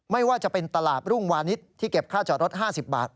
ไม่ว่าจะเป็นตลาดรุ่งวานิสที่เก็บค่าจอดรถ๕๐บาท